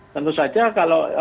tentu saja kalau